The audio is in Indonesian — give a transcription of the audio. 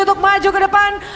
untuk maju ke depan